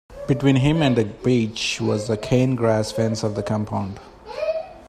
Between him and the beach was the cane-grass fence of the compound.